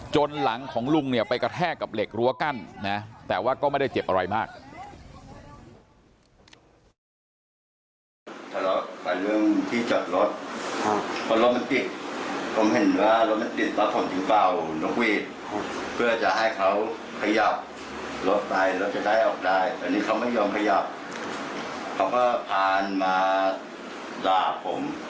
หลังของลุงเนี่ยไปกระแทกกับเหล็กรั้วกั้นนะแต่ว่าก็ไม่ได้เจ็บอะไรมาก